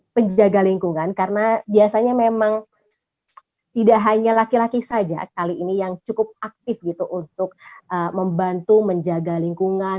penjaga lingkungan karena biasanya memang tidak hanya laki laki saja kali ini yang cukup aktif gitu untuk membantu menjaga lingkungan